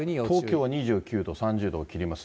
東京は２９度、３０度を切ります。